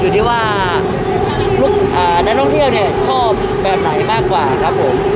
อยู่ที่ว่านักท่องเที่ยวเนี่ยชอบแบบไหนมากกว่าครับผม